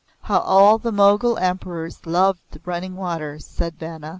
"How all the Mogul Emperors loved running water," said Vanna.